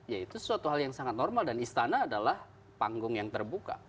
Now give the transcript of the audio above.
ya itu suatu hal yang sangat normal dan istana adalah panggung yang terbuka